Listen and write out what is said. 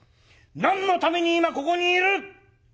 何のために今ここにいる？